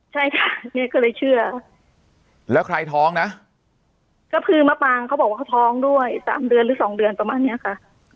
ใช่ค่ะแม่ก็เลยเชื่อแล้วใครท้องนะก็คือมะปางเขาบอกว่าเขาท้องด้วยสามเดือนหรือสองเดือนประมาณเนี้ยค่ะ